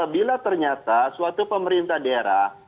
bila ternyata suatu pemerintah daerah